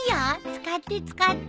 使って使って。